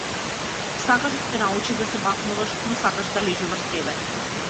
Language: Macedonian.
Сакаш да те научи да се бакнуваш, но сакаш да лежи врз тебе.